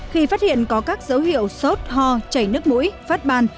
khi phát hiện có các dấu hiệu sốt ho chảy nước mũi phát ban